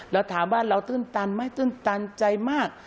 เราถามว่าเราตื้นตันไหมตื้นตันใจมาก